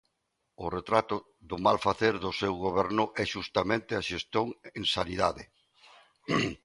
O retrato do mal facer do seu goberno é xustamente a xestión en sanidade.